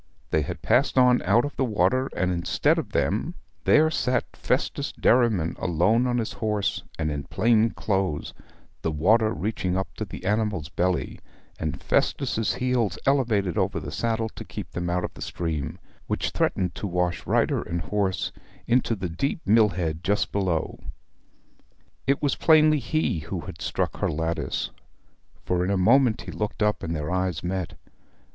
They had passed on out of the water, and instead of them there sat Festus Derriman alone on his horse, and in plain clothes, the water reaching up to the animal's belly, and Festus' heels elevated over the saddle to keep them out of the stream, which threatened to wash rider and horse into the deep mill head just below. It was plainly he who had struck her lattice, for in a moment he looked up, and their eyes met.